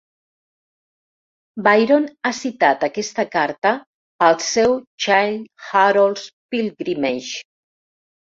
Byron ha citat aquesta carta al seu "Childe Harold's Pilgrimage".